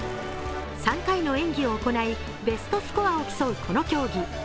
３回の演技を行い、ベストスコアを競うこの競技。